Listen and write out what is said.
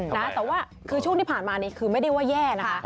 แต่ว่าคือช่วงที่ผ่านมานี้คือไม่ได้ว่าแย่นะคะ